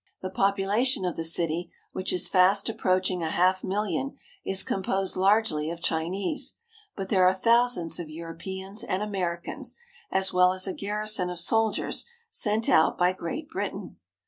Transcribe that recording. The population of the city, which is fast approaching a half million, is composed largely of Chinese, but there are thousands of Europeans and Americans, as well as a garrison of soldiers sent out by Great Britain.